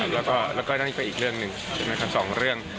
แล้วก็นั่นก็อีกเรื่องหนึ่งสองเรื่อง